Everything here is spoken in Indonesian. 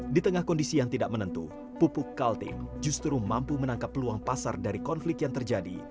ditengah kondisi yang tidak menentu pupuk tools obrig justru mampu menangkap peluang pasararik yang terjadi